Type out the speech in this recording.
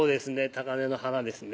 高根の花ですね